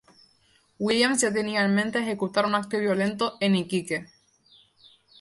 Williams ya tenía en mente ejecutar un acto violento en Iquique.